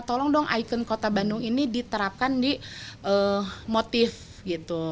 tolong dong ikon kota bandung ini diterapkan di motif gitu